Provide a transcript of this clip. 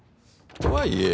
とはいえ。